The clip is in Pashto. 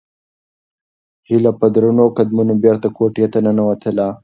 هیله په درنو قدمونو بېرته کوټې ته ننووتله.